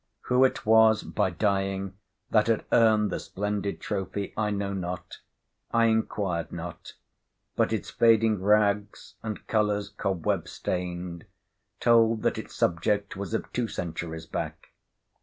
Who it was by dying that had earned the splendid trophy, I know not, I inquired not; but its fading rags, and colours cobweb stained, told that its subject was of two centuries back.